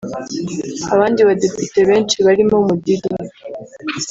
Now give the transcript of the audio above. Abandi badepite benshi barimo Mudidi